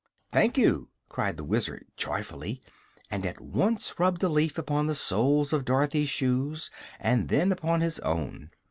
"Thank you!" cried the Wizard, joyfully, and at once rubbed a leaf upon the soles of Dorothy's shoes and then upon his own.